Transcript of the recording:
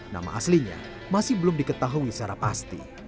nama aslinya masih belum diketahui secara pasti